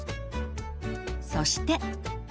そして。